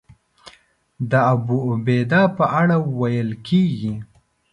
د ابوعبیده په اړه ویل کېږي.